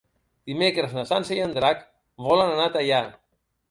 Dimecres na Sança i en Drac volen anar a Teià.